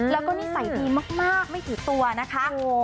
แล้วก็นิสัยดีมากไม่ถือตัวนะคะ